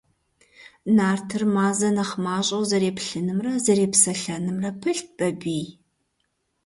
Нартыр Мазэ нэхъ мащӀэу зэреплъынымрэ зэрепсэлъэнымрэ пылът Бабий.